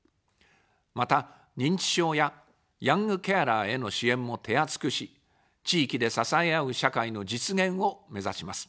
また、認知症やヤングケアラーへの支援も手厚くし、地域で支え合う社会の実現をめざします。